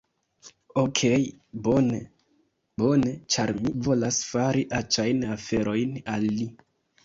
Okej bone, bone, ĉar mi volas fari aĉajn aferojn al li